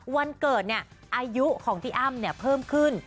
วันเกิดเนี่ยอายุของพี่อ้ำเพิ่มขึ้น